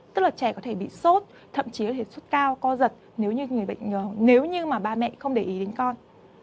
tức là trẻ có thể bị sốt thậm chí có thể sốt cao co giật nếu như mà ba mẹ không để ý đến con